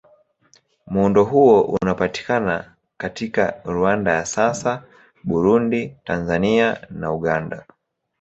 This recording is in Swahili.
Muundo huo unapatikana katika Rwanda ya sasa, Burundi, Tanzania na Uganda.